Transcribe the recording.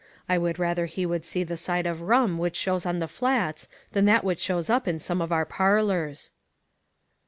I would rather he would see the side of rum which shows on the Flats than that which shows in some of our parlors."